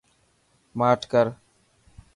ماٺ ڪر.